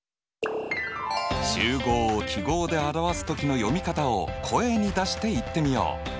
集合を記号で表す時の読み方を声に出して言ってみよう。